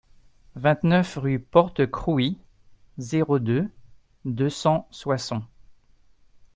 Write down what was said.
vingt-neuf rue Porte Crouy, zéro deux, deux cents Soissons